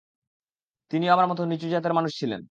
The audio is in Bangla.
তিনিও আমার মতো নীচু জাতের মানুষ ছিলেন।